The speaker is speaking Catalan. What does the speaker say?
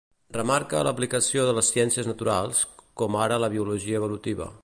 Remarque l'aportació de les ciències naturals, com ara la biologia evolutiva.